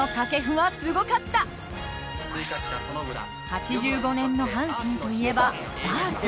８５年の阪神といえばバース。